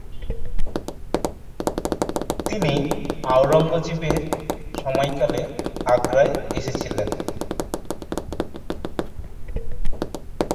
তিনি আওরঙ্গজেবের সময়কালে আগ্রায় এসেছিলেন।